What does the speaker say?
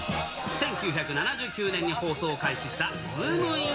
１９７９年に放送開始したズームイン！！